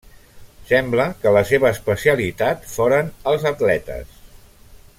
Sembla que la seva especialitat foren els atletes.